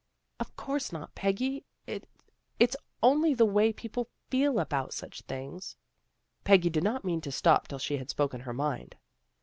"" Of course not, Peggy. It's only the way people feel about such things." Peggy did not mean to stop till she had spoken her mind.